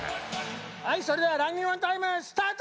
はいそれではランニングマンタイムスタート！